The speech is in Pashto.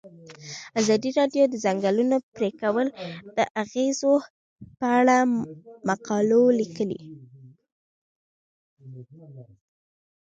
ازادي راډیو د د ځنګلونو پرېکول د اغیزو په اړه مقالو لیکلي.